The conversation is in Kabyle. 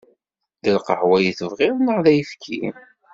D lqahwa i tebɣiḍ neɣ d ayefki?